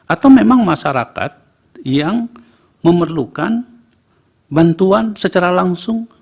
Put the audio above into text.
atau memang masyarakat yang memerlukan bantuan secara langsung